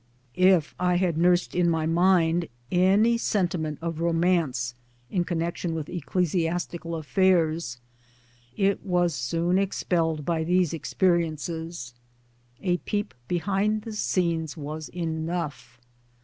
If I had nursed in my mind: any sentiment of CAMBRIDGE! [53 romance in connection with ecclesiastical affairs, it was soon expelled by these experiences. A peep behind the scenes was enough.